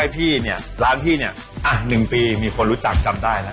พี่เนี่ยร้านพี่เนี่ย๑ปีมีคนรู้จักจำได้นะ